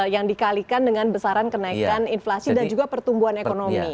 yang dikalikan dengan besaran kenaikan inflasi dan juga pertumbuhan ekonomi